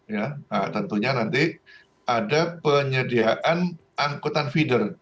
ya tentunya nanti ada penyediaan angkutan feeder